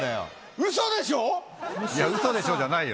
うそでしょじゃないよ。